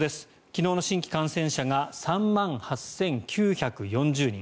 昨日の新規感染者が３万８９４０人。